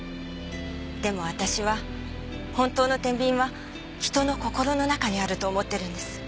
でも私は本当の天秤は人の心の中にあると思ってるんです。